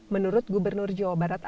menurut gubernur jawa barat